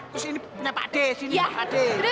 terus ini punya pak d sini pak d